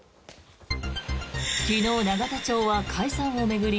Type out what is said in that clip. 昨日、永田町は解散を巡り